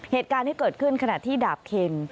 เหตุการณ์ที่เกิดขึ้นขณะที่ดาบเคน